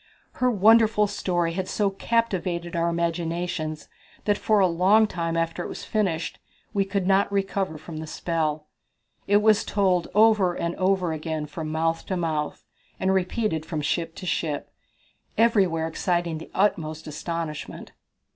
Her wonderful story had so captivated our imaginations that for a long time after it was finished we could not recover from the spell. It was told over and over again from mouth to mouth, and repeated from ship to ship, everywhere exciting the utmost astonishment.